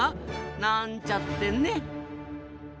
なんちゃってね。